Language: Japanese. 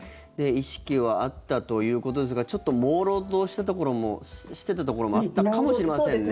意識はあったということですがちょっともうろうとしていたところもあったかもしれませんね。